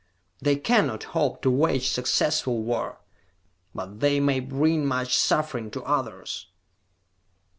"They cannot hope to wage successful war, but they may bring much suffering to others."